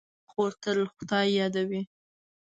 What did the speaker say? خور تل خدای یادوي.